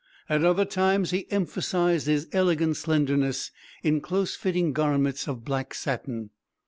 At other times he emphasised his elegant slenderness in close fitting garments of black satin.